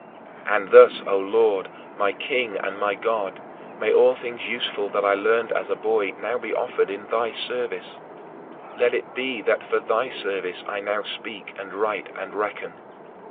And thus, O Lord, my King and my God, may all things useful that I learned as a boy now be offered in thy service let it be that for thy service I now speak and write and reckon.